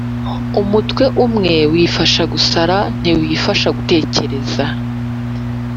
Umutwe umwe wifasha gusara, ntiwifasha gutekereza.